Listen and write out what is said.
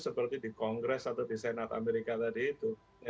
seperti di kongres atau di senat amerika tadi itu